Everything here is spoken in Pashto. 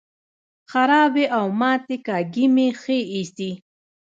خرابې او ماتې کاږي مې ښې ایسي.